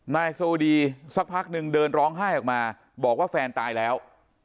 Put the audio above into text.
นายโซดีสักพักนึงเดินร้องไห้ออกมาบอกว่าแฟนตายแล้ว